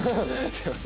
すみません。